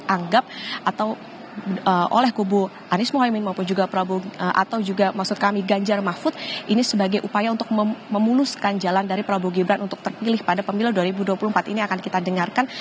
anggap atau oleh kubu anies mohaimin maupun juga prabowo atau juga maksud kami ganjar mahfud ini sebagai upaya untuk memuluskan jalan dari prabowo gibran untuk terpilih pada pemilu dua ribu dua puluh empat ini akan kita dengarkan